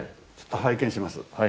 拝見します。